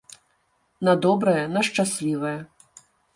На добрае, на шчаслівае!